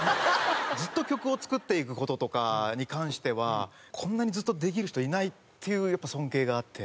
ずっと曲を作っていく事とかに関してはこんなにずっとできる人いないっていう尊敬があって。